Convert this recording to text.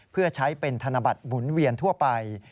เพื่อใช้เป็นธนบัตรหมุนเวียนทั่วไป